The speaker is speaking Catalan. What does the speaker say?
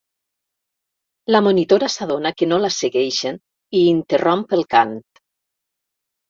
La monitora s'adona que no la segueixen i interromp el cant.